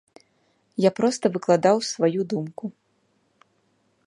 Я проста выкладаў сваю думку.